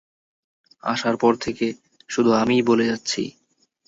আসার পর থেকে, শুধু আমিই বলে যাচ্ছি।